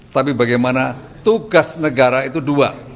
tapi bagaimana tugas negara itu dua